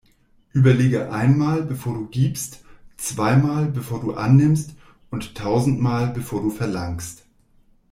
Überlege einmal, bevor du gibst, zweimal, bevor du annimmst, und tausendmal, bevor du verlangst.